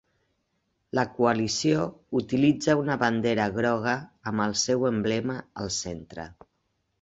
La coalició utilitza una bandera groga amb el seu emblema al centre.